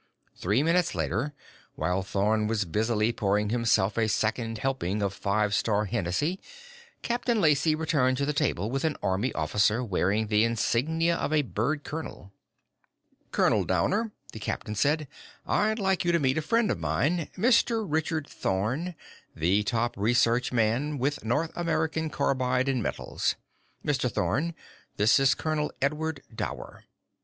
Three minutes later, while Thorn was busily pouring himself a second helping of Five Star Hennessy, Captain Lacey returned to the table with an army officer wearing the insignia of a bird colonel. "Colonel Dower," the captain said, "I'd like you to meet a friend of mine Mr. Richard Thorn, the top research man with North American Carbide & Metals. Mr. Thorn, this is Colonel Edward Dower."